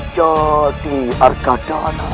jadi arga dana masih hidup